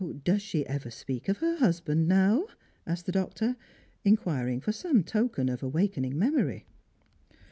"Does she ever speak of her husband nowP" asked the doctor, inquiring for some token of awakening memory.